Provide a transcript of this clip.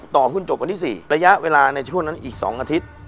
ต่อคุณจบวันที่๔ระยะเวลาในช่วงนั้นอีก๒อาทิตย์